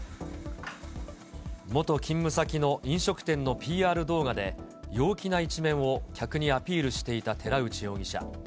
元勤務先の飲食店のＰＲ動画で、陽気な一面を客にアピールしていた寺内容疑者。